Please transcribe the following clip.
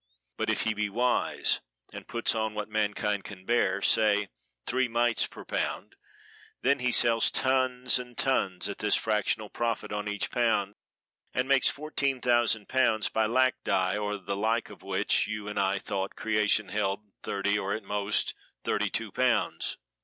But if he be wise and puts on what mankind can bear, say three mites per pound, then he sells tons and tons at this fractional profit on each pound, and makes fourteen thousand pounds by lac dye or the like of which you and I thought creation held thirty or at most thirty two pounds.